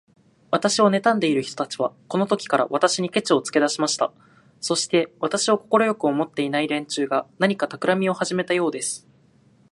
私をねたんでいる人たちは、このときから、私にケチをつけだしました。そして、私を快く思っていない連中が、何かたくらみをはじめたようです。